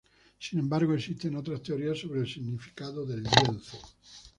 Sin embargo, existen otras teorías sobre el significado del lienzo.